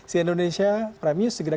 saya indonesia prime news